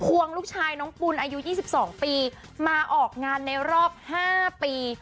ภวงลูกชายน้องปุ่นอายุยี่สิบสองปีมาออกงานในรอบห้าปี